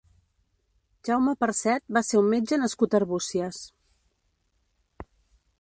Jaume Parcet va ser un metge nascut a Arbúcies.